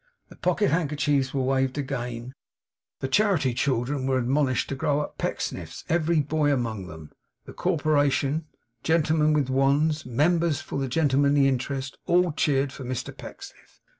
The pocket handkerchiefs were waved again; the charity children were admonished to grow up Pecksniffs, every boy among them; the Corporation, gentlemen with wands, member for the Gentlemanly Interest, all cheered for Mr Pecksniff.